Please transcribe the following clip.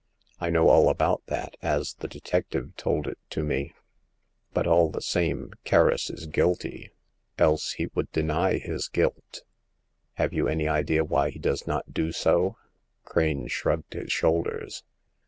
I know all about that, as the detective told it to me. But, all the same, Kerris is guilty, else he would deny his guilt." Have you any idea why he does not do so ?" Crane shrugged his shoulders.